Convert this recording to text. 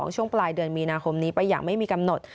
ช่วงปลายเดือนมีนาคมนี้ไปอย่างไม่มีกำหนด